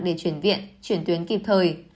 để chuyển viện chuyển tuyến kịp thời